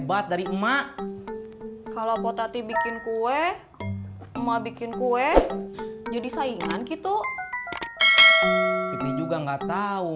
buat dari emak kalau potati bikin kue emak bikin kue jadi saingan gitu pipih juga enggak tahu